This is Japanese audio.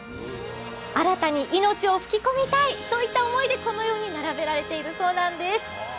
新たに命を吹き込みたい、そういった思いでこのように並べられているそうです。